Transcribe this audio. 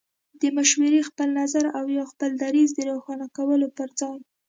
د مشورې، خپل نظر يا خپل دريځ د روښانه کولو پر ځای